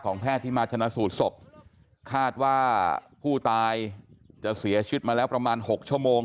แพทย์ที่มาชนะสูตรศพคาดว่าผู้ตายจะเสียชีวิตมาแล้วประมาณ๖ชั่วโมง